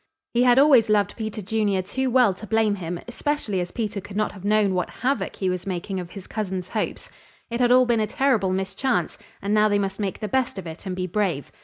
He had always loved Peter Junior too well to blame him especially as Peter could not have known what havoc he was making of his cousin's hopes. It had all been a terrible mischance, and now they must make the best of it and be brave.